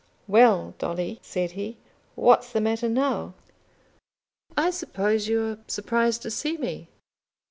"Well, Dolly," said he, "what's the matter now?" "I suppose you are surprised to see me?"